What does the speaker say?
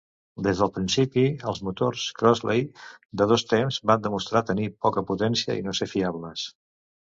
Des del principi, els motors Crossley de dos temps van demostrar tenir poca potència i no ser fiables.